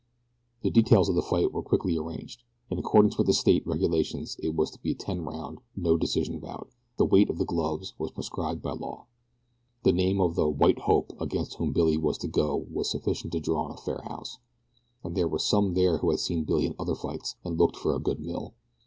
The details of the fight were quickly arranged. In accordance with the state regulations it was to be a ten round, no decision bout the weight of the gloves was prescribed by law. The name of the "white hope" against whom Billy was to go was sufficient to draw a fair house, and there were some there who had seen Billy in other fights and looked for a good mill.